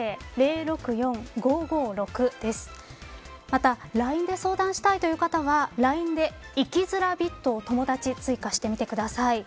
また、ＬＩＮＥで相談したいという方はＬＩＮＥで、生きづらびっとを友達追加してみてください。